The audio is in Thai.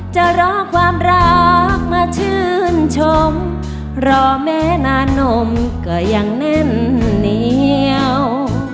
จะรอความรักมาชื่นชมรอแม่นานมก็ยังแน่นเหนียว